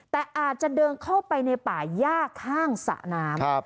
แต่อาจจะเดินเข้าไปในป่าย่าข้างสระน้ำ